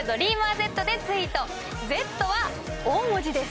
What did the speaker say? Ｚは大文字です。